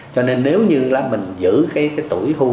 cho nên nếu như mình giữ tuổi hưu